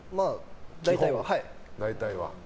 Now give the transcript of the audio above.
大体は。